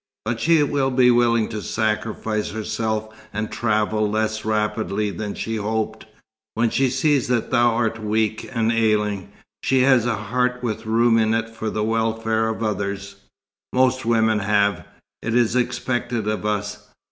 But she will be willing to sacrifice herself and travel less rapidly than she hoped, when she sees that thou art weak and ailing. She has a heart with room in it for the welfare of others." "Most women have. It is expected of us."